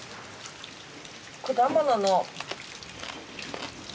果物の。